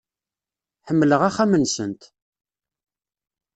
Ḥemmleɣ axxam-nsent.